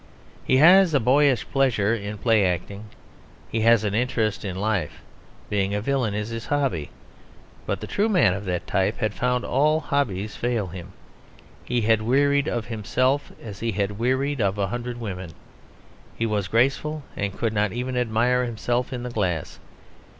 He has a boyish pleasure in play acting; he has an interest in life; being a villain is his hobby. But the true man of that type had found all hobbies fail him. He had wearied of himself as he had wearied of a hundred women. He was graceful and could not even admire himself in the glass.